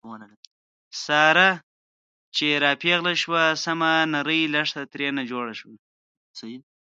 ساره چې را پېغله شوه، سمه نرۍ لښته ترېنه جوړه شوه.